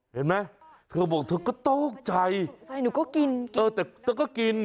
เห็นไหมเธอบอกเธอก็ตกใจแต่เธอก็กิน